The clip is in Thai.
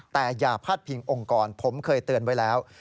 แต่อย่าพาดพิงองค์กรผมเคยเตือนไว้แล้ว